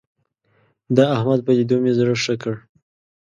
د احمد په ليدو مې زړه ښه کړ.